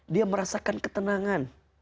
dia merasakan ketenangan